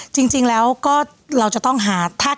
จริงแล้วก็เราจะต้องหา